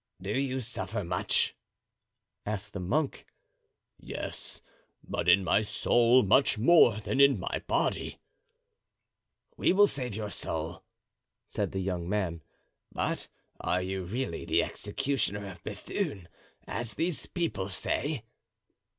"Do you suffer much?" asked the monk. "Yes, but in my soul much more than in my body." "We will save your soul," said the young man; "but are you really the executioner of Bethune, as these people say?"